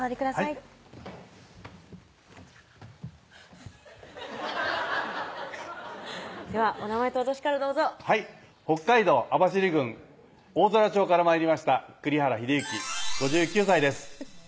はいではお名前とお歳からどうぞはい北海道網走郡大空町から参りました栗原秀之５９歳です